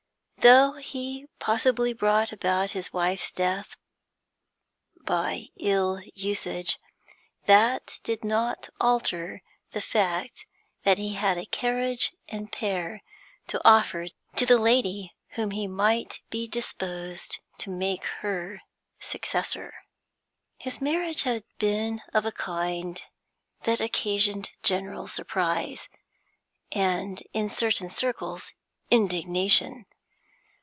Though he possibly brought about his wife's death by ill usage, that did not alter the fact that he had a carriage and pair to offer to the lady whom he might be disposed to make her successor. His marriage had been of a kind that occasioned general surprise, and, in certain circles, indignation.